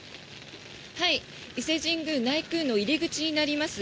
伊勢神宮内宮の入り口になります